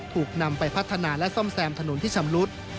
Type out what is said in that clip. ถูกนำไปพัฒนาและซ่อมแซมถนนที่ชำรุด